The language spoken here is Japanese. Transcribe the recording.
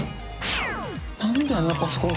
何であんなパソコン